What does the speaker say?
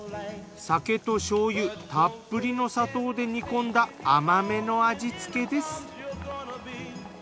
酒と醤油たっぷりの砂糖で煮込んだ甘めの味付けです。